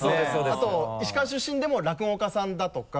あと石川出身でも落語家さんだとか。